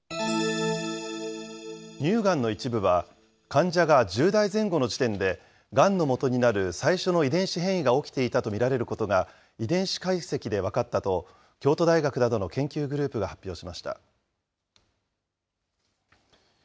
乳がんの一部は患者が１０代前後の時点で、がんのもとになる最初の遺伝子変異が起きていたと見られることが、遺伝子解析で分かったと、京都大学などの研究グループが発表しました。